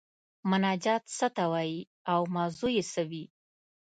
مناجات څه ته وايي او موضوع یې څه وي؟